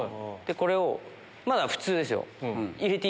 これまだ普通ですよ。